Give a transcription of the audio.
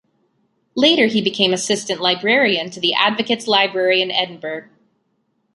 Later he became assistant librarian to the Advocates' Library in Edinburgh.